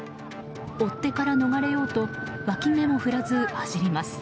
追ってから逃れようとわき目も振らず、走ります。